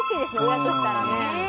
親としたらね。